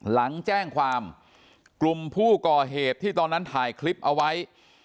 หลังแจ้งความกลุ่มผู้ก่อเหตุที่ตอนนั้นถ่ายคลิปเอาไว้